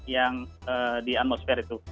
yang di atmosfer itu